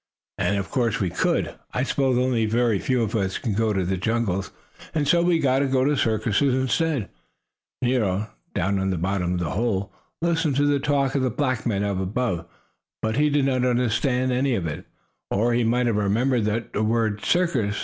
And of course we could, I suppose, only very few of us can go to jungles, and so we go to circuses instead. Nero, down on the bottom of the hole, listened to the talk of the black men up above. He did not understand any of it, or he might have remembered that word "circus."